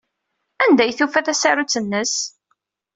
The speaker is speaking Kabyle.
Anda ay d-tufa tasarut-nnes?